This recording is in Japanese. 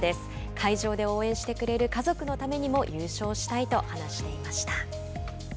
会場で応援してくれる家族のためにも優勝したいと話していました。